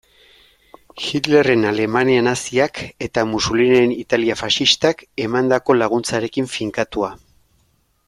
Hitlerren Alemania naziak eta Mussoliniren Italia faxistak emandako laguntzarekin finkatua.